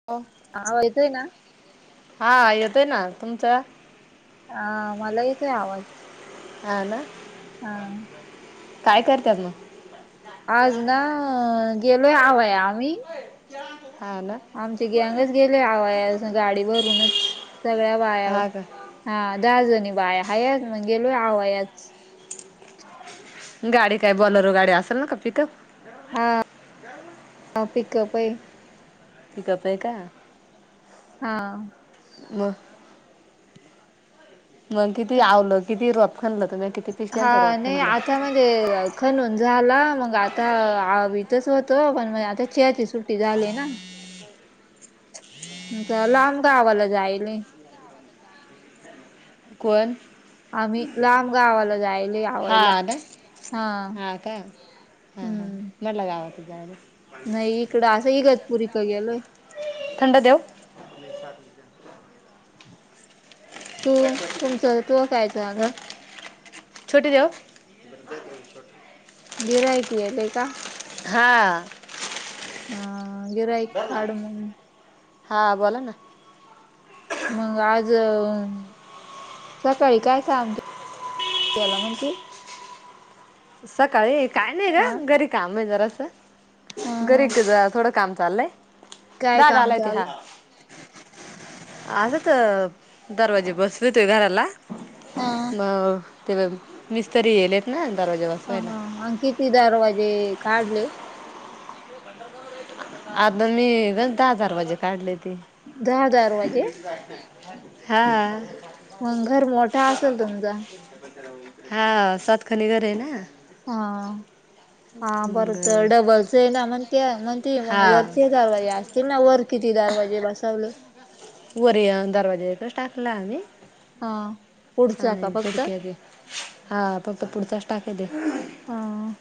[unintelligible] आवाज येतोय ना. हा येतय ना तुमचं. अ मला येतोय आवाज. हा ना हा काय करतत मग. आज ना गेलोय आवया आम्ही. हा ना. आमचे गँगच गेली आणाया गाडी भरूनच सगळ्या बाया हा का हा दहा जणी बाया हा याच मग गेलो आवा याच. गाडी काय बॉलर गाडी असेल ना का पिकअप? हा हा पिकअपई. पिकअप आहे का. हा. [inaudible] मग किती आवलं, किती रोप खनल तुमी. हा नही आता म्ह ते खणून झाला मग आता आवितच होतो, पण मग आता चहाची सुट टी झाली ना. त लांब गावाला जाईलये. कोण? आमी लांब गावाला जायलेय आवायला हा. हां का. हं हं म्हटल गावाला जायलये नही इकडं असं इगतपुुरी क गेलोय. थंड देवु? [unintelligible] तू तुमच तूहं काय चाल छोटे देऊ? गिऱ्हाईक येलय का? हां! अं गिऱ्हाईक काड मंग. हां बोला ना. मंग आज सकाळी काय काम केल म्हणती? सकाळी, काय नही ह ग घरी काम आहे जरास. ह ह घरी ते जरा थोडं काम चाललय, काय दादा काम आलाय ते चालू हां. आज तं दरवाजे बसविते घराला. ह म ते मिस्तरी येयलेत ना दरवाजा ह हा अं किती दरवाजे काढले? [inaudible] आता मी गन दहा दरवाजे काढलेती. दहा दरवाजे हां! मंग घर मोठ असेल तुमच? [inaudible] हा सात खणी घर आहे ना. हा हा आ मग बरं तर डबलच हे ना मण त्यां, म्हण ती हा मंग वरचे दरवाजे असतील ना, वर किती दरवाजे बसवले? वरी अन दरवाजा एकच टाकला आम्ही, हा पुढचा का आणि फक्त खिडक्या तें. हा फक्त पुढचाच टाकेद दे. हा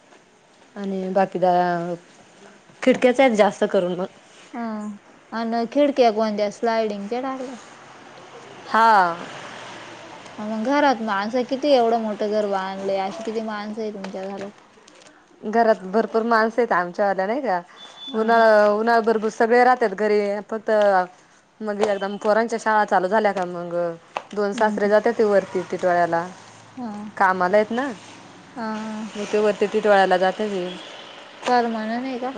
आणि बाकीदा खिडक्याच आहेत जास्त करून म. ह अन खीडक्या कोणत्या स्लाईडींगच्या टाकल्या? हां! ह मंग घरात माणसं कितीय, एवढं मोठं घर बांधलंय अशी किती माणसं हे तुमच्या घरात? घरात भरपूर माणस हेत आमच्या वाल्या नाही का, हा उन्हाळा उन्हाळ भर बसु सगळे राहत्यांत घरी फक्त मग एकदम पोरांच्या शाळा चालू झाल्या का मंग दोन सासरे हम्म जात्यांती वरती टिटवळ्याला, हा कामाला हेत ना. हा! मग ते वरती टिटवाळ्याला जात्यांत ये. परमाननय का?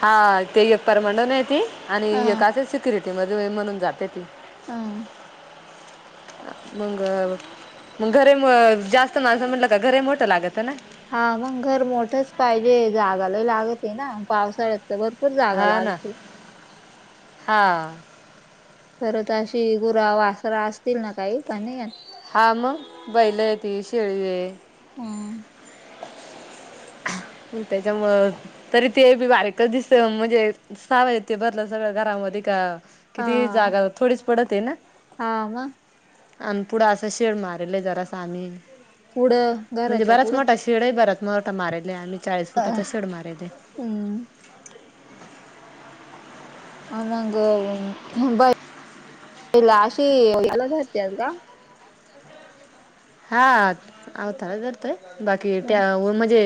हा ते एक परमांनन आहे ती आणि हा एक असच शी सिक्युरिटीमध्ये ये म्हणून जात तें. हं! मंग मंग घर ए म जास्त माणसं म्हनलं का घर ए मोठ लागत ना. हा मग घर मोठंच पाहिजे जागा लई लागती ना पावसाळ्यात. भरपूर जागा लागते. हां खरं तर अशी गुरा वासरा असतील ना काही प नाही. हा मग बैल आहेत शेळी आहे. हा त्याच्यामुळे तरी ते बी बारीकच दिस म्हणजे सावेत ते भरलं सगळ घरामध्ये का किती जागा थोडीच पडत आहे ना. हवा आणि पुढं अस शेड मारलय जरास आम्ही पुढं म्हणजे घराच्या बराच पुढं मोठा शे शेड बराच मोठा मारल आहे आम्ही चाळीस फुटाचा शेड मारले आहे. हम हनांग आशीे एलारते अल का? हा आवता तर तोय बाकी त्या म्हणजे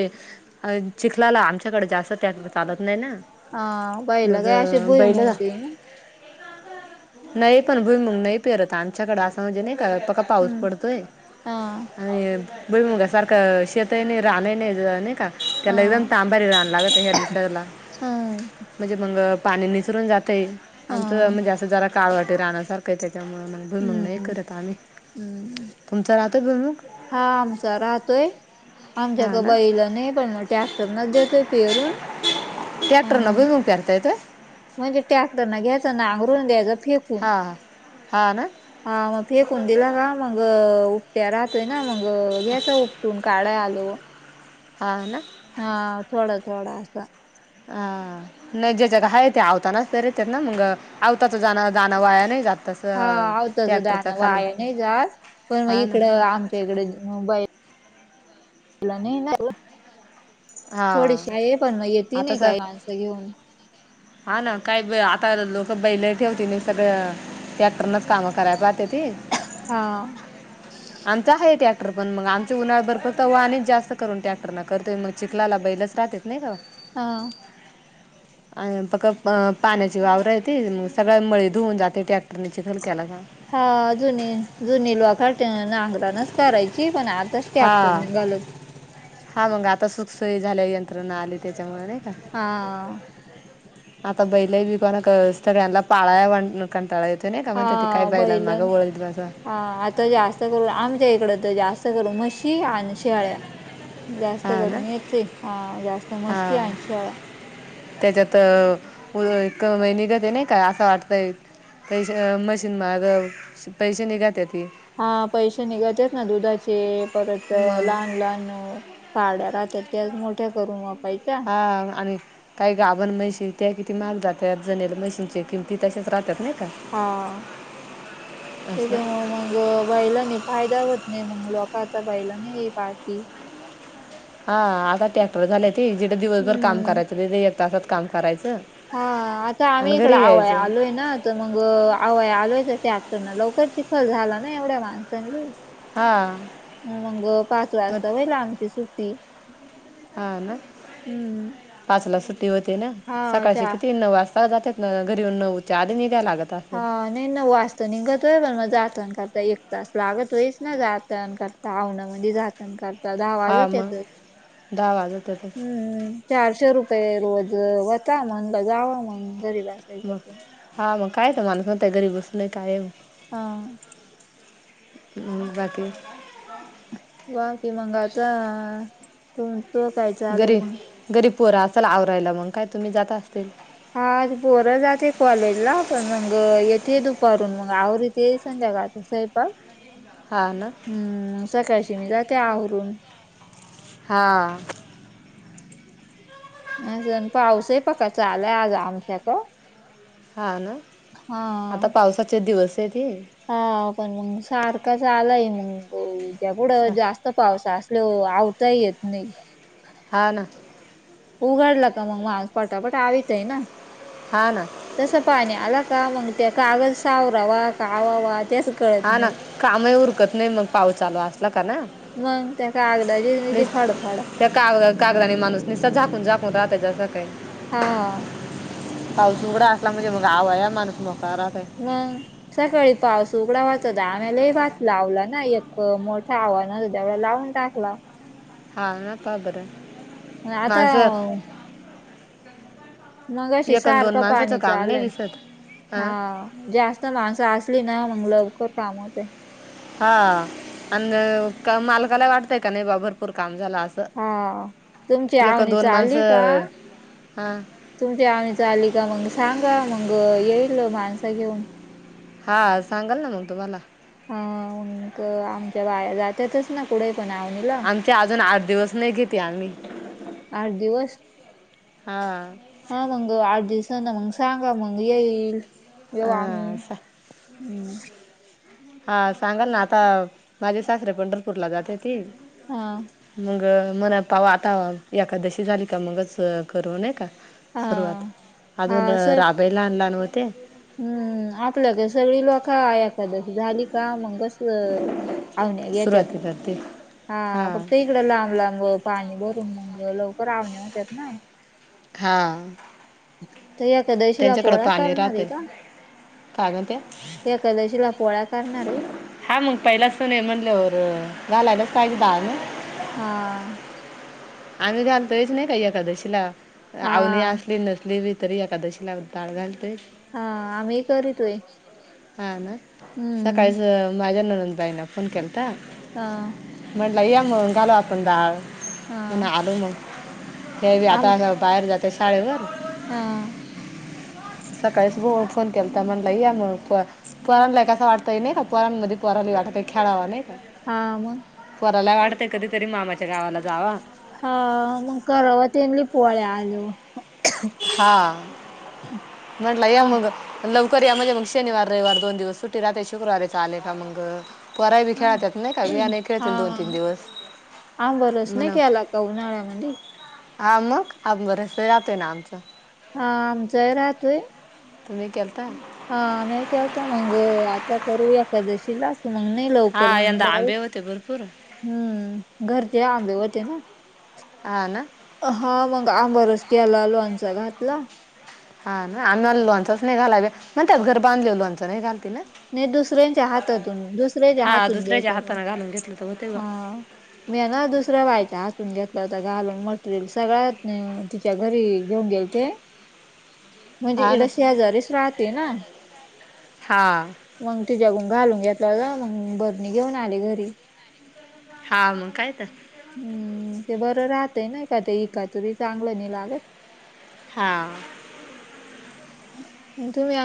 चिखलाला आमच्याकडे जास्त त्यात चालत नाही ना. हा बाईला मग काय अशी बुई बैल मग भ मग नाही पण भुई मग नाही पेरत आमच्याकडे असं म्हणजे नाही का फक्का पाऊस हम्म पडतोय. हा आणि बरी मुगा सारखं शता नाही राहन नाही का? हा त्याला एकदम तांबारी राहान लागत ह्या दिसाला हम्म म्हणजे मग पाणी निसरून जात. ते हा आमचं म्हणजे असं जरा काळ वाटे राहसारखं आहे त्याच्यामुळ म्हण. गमग हम्म नाही हम्म करत आम्ही हम्म तुमचं राहतो घुमग. हा आमचा राहतोय. आमच्याक हां ना बाईलं नाही पण मग टॅक्टर नच देतोय पेरून आणि मग कारतायेत. म्हणजे टॅक्टर न घ्यायं ना आंगरून द्यायं फेक. हां हां हां ना. हा मग फेकून दिला का मग त्या राहतोय ना मग घ्याचा उठटून काढ्या आले व ह ना हा थोडा थोडा असं. ह नाही जे जगा आहे ते आवतानाच तरर येतेत ना मग आवताच जाण जाणं वाया नाही जातच. हा आवताच दण वाया नाही जाात पण मग हां ना इकडं आम कडेबाईलला नाही ना. थोडीशी हां आहे पण मग येेत आता नाही सर काय माणसं घेऊन. हा ना काही आता लोक बैल ठेवती नाही सगळं. त्याटरनच कामं करायला पाहते ती हा आमचा आहे टॅक्टर पण मग आमचे उन्हाळ भरपर तव अक जास्त करून टॅक्टर करतोय मग. चिखलाला बैलच राहतेत नाही ग. हा [inaudible] अ पक् पाण्याची वावर येते मग सगळ्या मळी धुऊन जाते ट्रॅक्टर खलक्याला जा हा जुनी जुनी लवाख नांगरानच करायची पण आता हा हा मग आता सुखसोयी झाल्या यंत्रणा आली त्याच्यामुळे नाही का? हा आता बैलाही बिका ना सगळ्यांना पाळा. येतो नाही का म्हणत त काय हा बाहिला मागं बैलाने वळलसं. हा आता जास्त करून आमच्या इकड तर जास्त करून म्हशी आणि शियाळ्या जास्त हा ना करून याच आहे हा जास्त मस्ती हा आण शाळा त्याच्यात एक महिनगत नाही काय असं वाटतंय पैसे मशीन मग पैसे निघात ती हा पैसे निघतेत ना दुधाचे परत मग लहान लहान पाड्यालाह त्या त्यास मोठ्या करून वापायच्या हा आणि काही गाभण म्हशी त्या किती मल जातात जनेल म्हशींचे किमती तशच राहतात ना हा असं त्याच्यामु मग मग बैलानी फायदा होत नाही मग लोक आता बैलानी पाळती हा आता ट्रॅक्टर झाले ते जिढं दिवसभर काम हम्म. करायचं तिथे एक तासात काम करायचं हा आता आणि आम्ही इकडे घरी आव यायचं आलोय ना तर मग आवय आलवायच त्या आटरना लवकर चिखल झाला ना एवढ्या माणस सं हा मग पाच मग वाजता होईल आमची सुट्टी हा ना हम्म पाचला सुट्टी होते ना हा सकाळशी अच्छा. किती नऊ वाजता जाते घरी नऊच्या आधी नि द्या लागत असं हा नाही ना वाजता निघत होय पण मग जाताण करता एक तास लागत होईच ना जाताण करता आवन म जात करता दहा वाज हा मग त्याचच दहा वाजत होते हम्मम् चारशे रुपये रोज होता म्हण जावा मग घरी बसायचं मग तर. हा मग कायच माणूस नत गरीब असून काय हा बाकी बा कि मंगाता त तू काय आलंय मग घरीब पोरा असाल आवरायला मग काय तुम्ही जाता असतील हा बोरं जाते कॉलेजला पण मग येते दुपारून मग आवरेते संध्याकाळ तहेब का हा ना हम्म सकाळशी मी जा ते आहरून हां नाहीण पाऊस आहे प का चालाय आज आमच्याचा हा ना आता पावसाचे दिवस आहे ते हा पण मग सारखा चालाय मग उद्या पुुढं जास्त पावसा असल आवताही येत नाही हा ना उघाडला का मग मा पटापट आ तय ना हा ना तस पाणी आला का मग त्या कागद सावरावा कावा वा त्यास हा ना कामही उरकत नाही मग पाऊ चालू असला का ना मग त्याका आगदाचीची निस फडफडा त्या काग कागदाने माणूस निससा झाकून झाकून राहत जसं काही हा पाऊस उघडा असला म्हणजे मग आवा या माणूस मका राात व सकाळी पाऊस उघडा वाच होता आम्हालाही भात लावला ना एक मोठं आव्हानतं तेवढं लाव टाकला हा ना पापर मग आता मग अशी एक अन दोन सारखं माणसाचं पाणी चा काम नाही आलंय दिसत हा हां जास्त माणसं असली ना मग लवकर काम होत हा आणि मालकाला वाटतय का नाही बा भरपूर काम झाला अस हाआ तुमची आवनी चा आली का माणसं हा तुमची आमडीच आली का मग सांगा मग येईल माणस घेऊन हा सांगल ना मग तुम्हाला? हा मग अ आमच्या बाया जातेयातच. आमच्या अजून आठ दिवस नाही घेते आम्ही आठ दिवस हा आ. हा मंग आठ दिवसांना मग सांगा मग येईल येऊ आम्ही हा सा हम्म. हा सांगाल ना आता माझे सासरे पंढरपूरला जाते ती. हा. मग अ म्हन पाऊ आता एकादशी झाली का मगच करु नाही का? हा सुरुवात अजून हा अ सर राबई लहान लहान होत्या. हम्म आपल्याकडे सगळी लोका एकादशी झाली का मग बसल. हाव न येत्यात सुरुवाती करते हा हां फक्त ईकड लांब लांब अ पाणी भरून मग अ लवकर आवणेया होत्या ना. हा. ते या एकादशीला पोळया पाणी करणार आहे राहते का? काय म्हणते एकादशीला पोळया करणार आहे. हा मग पहिला सन आहे म्हटल्यावर घालायलाच पाहिजे दाळ न. हा. आम्ही घालतोच नाही का एकादशीला हा आवनी असली नसली बी तरी एकादशीला दाळ घालतय. हा आ आम्ही करीतोय. हा ना. हम्म. काहीच माझ्या नानंद बाईना फोन केलता. हा. म्हटलं या मग घालू आपण डाळ म्हण हा आलो मग ते बी आम आता बाहेर जातेय शाळेवर हा. सकाळी बो ओठुन केलता म्हणल या मग फोन पोराांला कस वाटतय नाही का पोराांमध्ये पोरानले वाटत खेळावा नाही का? हा मग पोरायला वाटतंय कधीतरी मामाच्या गावाला जावा. हा मग कराव तेनले पोळ्या आल्यावर हाआ म्हटलं या आ मग लवकर या म्हणजे मग शनिवार रविवार दोन दिवस सुट्टी राहते शुक्रारारी च आले का मग पोरा बी हा खेळतत नाही का वियाने खेळतील दोन तीन हा दिवस आंबरस नाही होना. केला का उन्हाळ्या म्हदी हा मग आमरस राहातोना आमचा. हा आ आमचा राहतोय. तुम्ही केलता. हा आ मेई केलता मंग अ आता करूया एकादशीला मग नाही लवकर हा मग यंदा आंबे [unintelligible] होते भरपूर हम्म घरचे आंबे होते ना. हा ना. हा मग आमरस केला लोनचा घातला. हा ना आम्हीला लोणचाच नाही घालावे म्हग त्यात घर बांधले लोंचं नाही घालती ना. नाही दुसऱ्यांच्या हातातून दुसऱ्याच्या हा हातून दुसऱ्याच्या घ्यायचं मग हाताने घालून घेतलं तर होते बा हा. मी आहे ना दुसरं वाईट हातून घेतला होतं घालून मटेरियल सगळ्यात. त्या घरी घेऊन गेलते. हम् [inaudible] म्हणजे इकडं शेजारीच राहते ना. हा. मग तिच्याकून घालून घेतला ग मग भरणी घेऊन आली घरी. हा मग कायेत. हम्म ते बरं राहतय ना का ते एका तरी चांगलं नाही लागत. हां. तुम्ही.